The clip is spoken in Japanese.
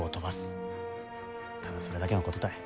ただそれだけのことたい。